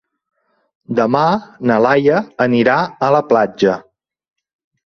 Demà na Laia anirà a la platja.